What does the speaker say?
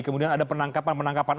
kemudian ada penangkapan penangkapan